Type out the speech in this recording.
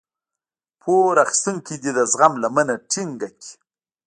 پور اخيستونکی دې د زغم لمنه ټينګه کړي.